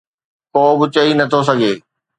ڪو به چئي نٿو سگهي.